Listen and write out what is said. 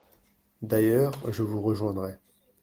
D'ailleurs, je vous rejoindrai.